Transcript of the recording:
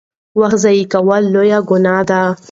وخت ضایع کول لویه ګناه ده.